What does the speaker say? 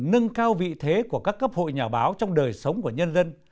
nâng cao vị thế của các cấp hội nhà báo trong đời sống của nhân dân